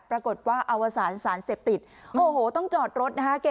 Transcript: ปรากฏว่าอวสารสารเสพติดโอ้โหต้องจอดรถนะคะ